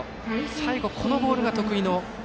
最後、このボールが得意の。